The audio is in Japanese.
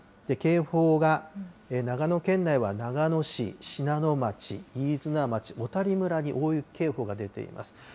警報が長野県内は長野市、信濃町、飯綱町、小谷村に大雪警報が出ています。